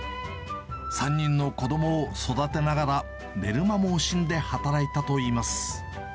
３人の子どもを育てながら、寝る間も惜しんで働いたといいます。